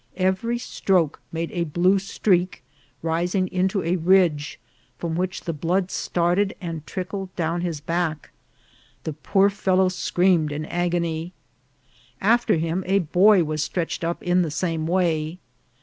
Every stroke made a blue streak, rising into a ridge, from which the blood started and trickled down his back. The poor fellow screamed in agony. After him a boy was stretched up in the same way.